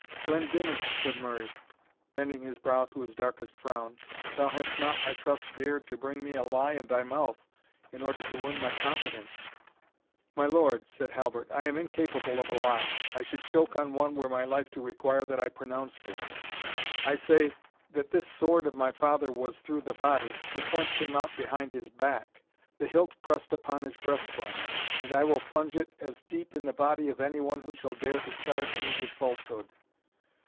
"Glendinning," said Murray, bending his brow into his darkest frown, "thou hast not, I trust, dared to bring me a lie in thy mouth, in order to win my confidence?" "My lord," said Halbert, "I am incapable of a lie. I should choke on one were my life to require that I pronounced it. I say, that this sword of my father was through the body the point came out behind his back the hilt pressed upon his breast bone. And I will plunge it as deep in the body of any one who shall dare to charge me with falsehood."